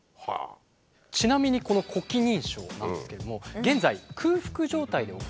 ちなみにこの呼気認証なんですけども現在空腹状態で行うという条件が。